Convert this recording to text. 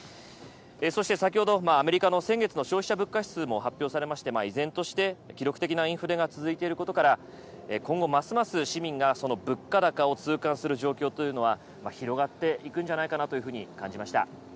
そして先ほどアメリカの先月の消費者物価指数も発表されまして依然として記録的なインフレが続いていることから今後、ますます市民がその物価高を痛感する状況というのは広がっていくんじゃないかなというふうに感じました。